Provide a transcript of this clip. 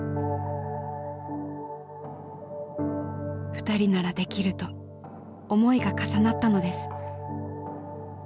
「２人ならできる」と思いが重なったのです。